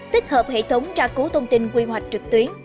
tích hợp hệ thống tra cứu thông tin quy hoạch trực tuyến